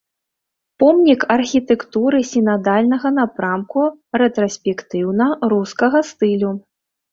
Помнік архітэктуры сінадальнага напрамку рэтраспектыўна-рускага стылю.